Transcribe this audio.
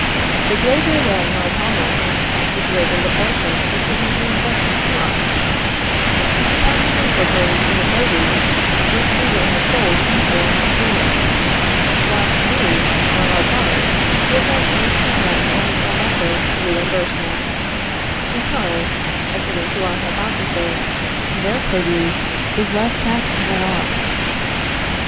The greater then our commerce, the greater the portion which will be reimbursed to us, of taxes incorporated in the produce, which we will have sold to foreign consumers; whilst we, on our part, will have made to them only a lesser reimbursement, because (according to our hypothesis) their produce is less taxed than ours.